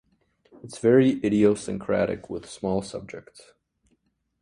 It's very idiosyncratic, with small subjects.